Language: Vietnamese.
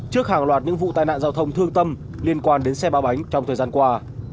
trước hàng loạt những vụ tai nạn giao thông thương tâm liên quan đến xe ba bánh trong thời gian qua